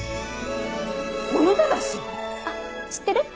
あっ知ってる？